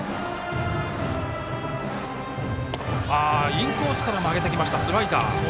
インコースから曲げてきたスライダー。